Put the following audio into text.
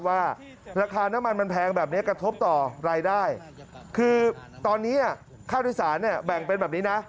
ว่าราคาน้ำมันมันแพงแบบนี้กระทบต่อรายได้คือตอนนี้ค่าโดยสารเนี่ยแบ่งเป็นแบบนี้นะ